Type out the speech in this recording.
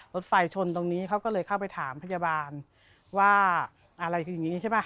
รถไฟชนตรงนี้เขาก็เลยเข้าไปถามพยาบาลว่าอะไรคืออย่างนี้ใช่ป่ะ